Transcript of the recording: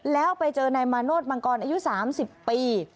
แล้วไปเจอนายมาโนธมังกรอายุ๓๐ปี